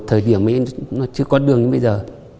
thời điểm nó chưa có đường như bây giờ